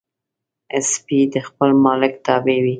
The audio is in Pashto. سپي د خپل مالک تابع وي.